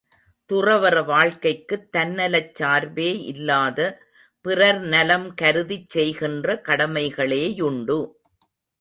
துறவற வாழ்க்கைக்குத் தன்னலச் சார்பே இல்லாத பிறர் நலம் கருதிச் செய்கின்ற கடமைகளேயுண்டு.